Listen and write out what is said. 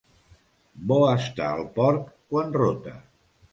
Bo està el porc quan rota.